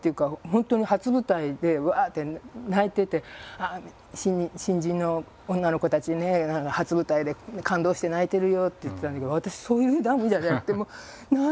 本当に初舞台でうわって泣いてて「新人の女の子たちね初舞台で感動して泣いてるよ」って言ってたんだけど私そういう涙じゃなくて「もう何？